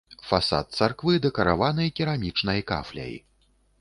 Фасад царквы дэкараваны керамічнай кафляй.